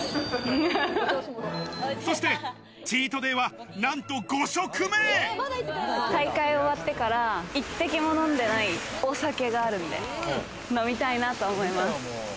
そしてチートデーはなんと５大会終わってから、一滴も飲んでないお酒があるんで、飲みたいなと思います。